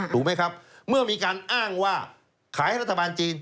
ถูกไหมครับเมื่อมีการอ้างว่าขายให้รัฐบาลจีน